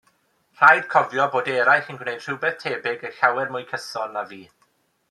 Rhaid cofio bod eraill yn gwneud rhywbeth tebyg a llawer mwy cyson na fi.